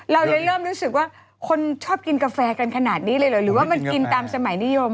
เราเลยเริ่มรู้สึกว่าคนชอบกินกาแฟกันขนาดนี้เลยเหรอหรือว่ามันกินตามสมัยนิยม